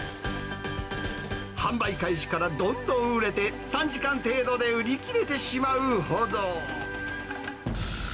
販売開始からどんどん売れて、３時間程度で売り切れてしまうほど。